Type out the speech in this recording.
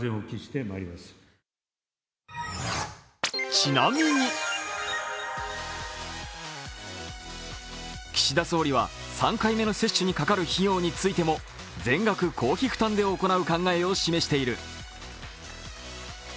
ちなみに岸田総理は３回目の接種にかかる費用についても全額公費負担で行う考えを示している。